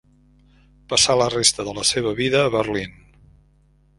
Passà la resta de la seva vida a Berlín.